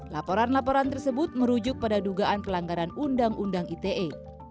laporan laporan tersebut merujuk pada dugaan pelanggaran undang undang ite